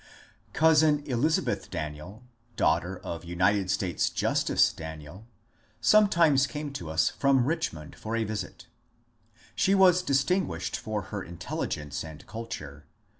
Cousin Elizabeth Daniel, daughter of United States Justice Daniel, sometimes came to us from Richmond for a visit She was distinguished for her intelligence and culture.